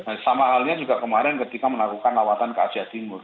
nah sama halnya juga kemarin ketika melakukan lawatan ke asia timur